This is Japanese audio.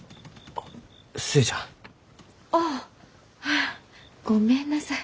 ああっフッごめんなさい。